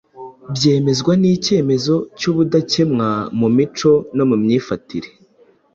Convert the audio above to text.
byemezwa n’ikemezo cy’ubudakemwa mu mico no mu myifatire